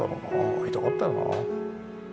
会いたかったよな。